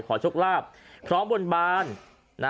ขอชกลาบพร้อมบนบาน